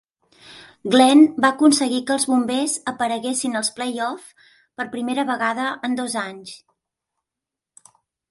Glenn va aconseguir que els Bombers apareguessin als playoffs per primer vegada en dos anys.